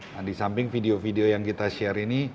nah di samping video video yang kita share ini